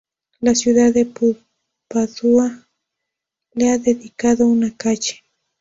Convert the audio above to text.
La ciudad de Padua le ha dedicado una calle.